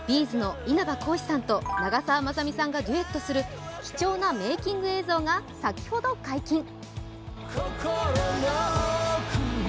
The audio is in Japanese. ’ｚの稲葉浩志さんと長澤まさみさんがデュエットする貴重なメーキング映像が先ほど解禁。